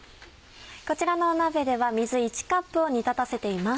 こちらの鍋では水１カップを煮立たせています。